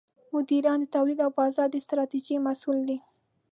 مدیران د تولید او بازار د ستراتیژۍ مسوول دي.